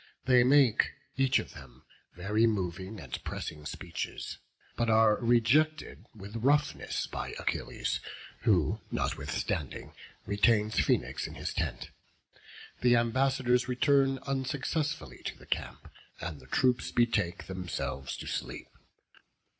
They make, each of them, very moving and pressing speeches, but are rejected with roughness by Achilles, who notwithstanding retains Phoenix in his tent. The ambassadors return unsuccessfully to the camp, and the troops betake themselves to sleep.